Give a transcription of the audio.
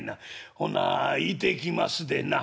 ほな行てきますでな」。